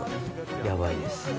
やばいです。